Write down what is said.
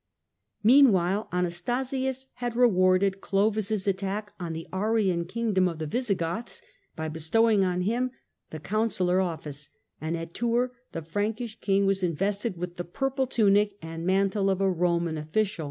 Meanwhile Anastasius had rewarded Clovis' attack on the Arian kingdom of the Visigoths by bestowing on him the consular office, and at Tours the Frankish King was invested with the purple tunic and mantle of a Roman official.